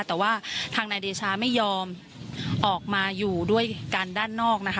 แต่ว่าทางนายเดชาไม่ยอมออกมาอยู่ด้วยกันด้านนอกนะคะ